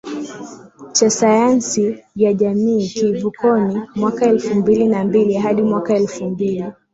Cha sayansi ya JamiiKivukoniMwaka elfu mbili na mbili hadi mwaka elfu mbili